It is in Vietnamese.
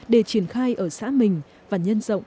để triển khai ở xã mình và nhân rộng